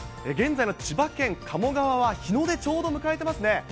現在の千葉県鴨川は、日の出、ちょうど迎えてますね。